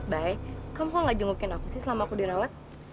bayu kamu kok nggak jengukin aku sih selama aku di rawat